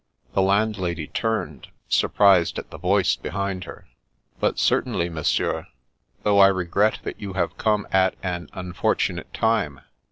The landlady turned, surprised at the voice be hind her. " But certainly. Monsieur. Though I regret that you have come at an unfortunate time.